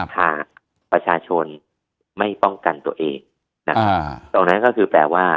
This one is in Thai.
ถ้าประชาชนไม่ป้องกันตัวเองตรงนั้นก็คือแปลว่า